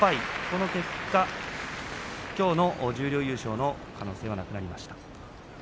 この結果、きょうの十両優勝の可能性はなくなりました。